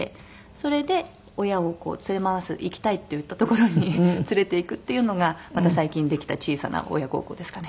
それで親をこう連れ回す行きたいって言った所に連れていくっていうのがまた最近できた小さな親孝行ですかね。